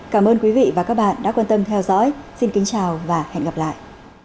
cảm ơn quý vị và các bạn đã quan tâm theo dõi xin kính chào và hẹn gặp lại